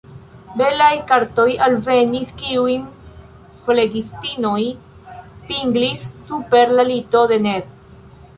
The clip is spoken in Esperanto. Belaj kartoj alvenis, kiujn flegistinoj pinglis super la lito de Ned.